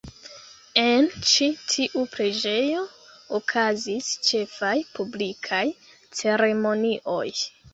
En ĉi tiu preĝejo okazis ĉefaj publikaj ceremonioj.